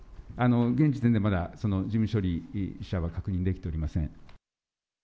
現時点でまだ、その事務処理者は確認できておりません。